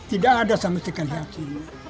tidak ada sama sekali hakim